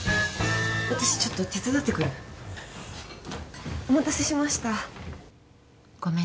私ちょっと手伝ってくるお待たせしましたごめん